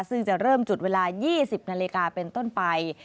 ซึ่งจะเริ่มจุดเวลา๒๐นาฬิกาเป็นต้นไป